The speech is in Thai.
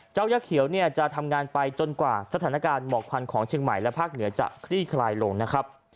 ย่าเขียวเนี่ยจะทำงานไปจนกว่าสถานการณ์หมอกควันของเชียงใหม่และภาคเหนือจะคลี่คลายลงนะครับ